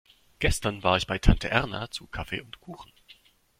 Gestern war ich bei Tante Erna zu Kaffee und Kuchen.